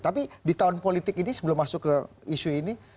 tapi di tahun politik ini sebelum masuk ke isu ini